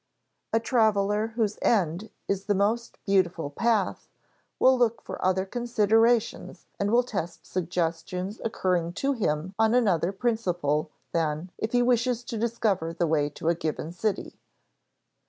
A traveler whose end is the most beautiful path will look for other considerations and will test suggestions occurring to him on another principle than if he wishes to discover the way to a given city.